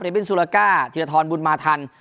เรฟินซูลาก้าธิริทรทรบุญมาทัน